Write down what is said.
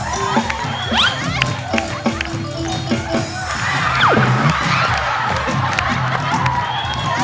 ก็ออกมาได้นะครับมาหน้าเวทีนุก